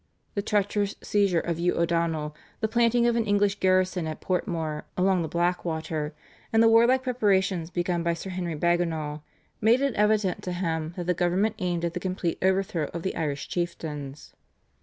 The treacherous seizure of Hugh O'Donnell, the planting of an English garrison at Portmore along the Blackwater, and the warlike preparations begun by Sir Henry Bagenal made it evident to him that the government aimed at the complete overthrow of the Irish chieftains.